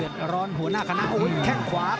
เดือดร้อนหัวหน้าคณะโอ้ยแข้งขวา